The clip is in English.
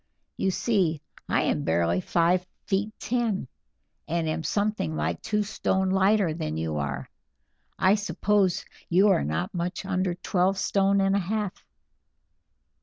You see, I am barely five feet ten, and am something like two stone lighter than you are. I suppose you are not much under twelve stone and a half."